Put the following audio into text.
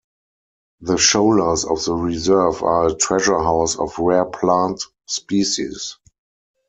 The sholas of the reserve are a treasure house of rare plant species.